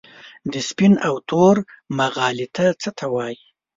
د سپین او تور مغالطه څه ته وايي؟